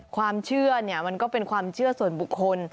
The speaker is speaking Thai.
ความเชื่อมันก็เป็นความเชื่อส่วนบุคคล